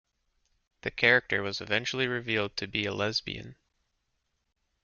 The character was eventually revealed to be a lesbian.